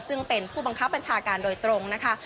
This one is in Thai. ซึ่งเป็นผู้บังคับบัญชาการโดยตรงนะคะ